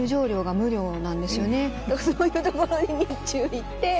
そういう所に日中行って。